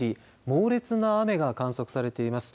猛烈な雨が観測されています。